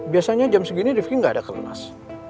biasanya jam segini rifki gak ada kelemas